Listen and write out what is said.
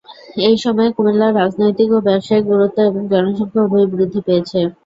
এই সময়ে কুমিল্লার রাজনৈতিক ও ব্যবসায়িক গুরুত্ব এবং জনসংখ্যা উভয়ই বৃদ্ধি পেয়েছে।